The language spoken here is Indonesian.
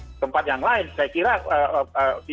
dan mengorder dan memindahkan dari apartemen ke tempat lain